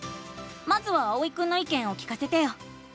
まずはあおいくんのいけんを聞かせてよ！